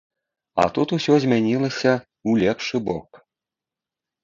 А тут усё змянілася ў лепшы бок.